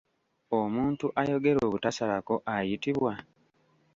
Omuntu ayogera obutasalako ayitibwa?